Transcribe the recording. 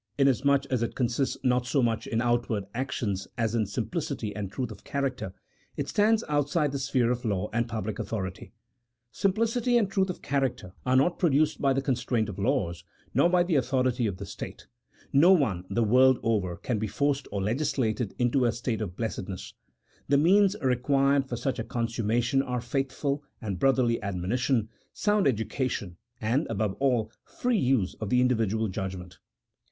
Inasmuch as it consists not so much in outward actions as in simplicity and truth of character, it stands outside the sphere of law and public authority. Simplicity and truth of character are* not produced by the constraint of laws, nor by the autho rity of the state, no one the whole world over can be forced or legislated into a state of blessedness ; the means re quired for such a consummation are faithful and brotherly admonition, sound education, and, above all, free use of the individual judgment.